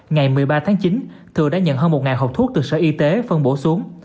ngày một mươi ba tháng chín thừa đã nhận hơn một hộp thuốc từ sở y tế phân bổ xuống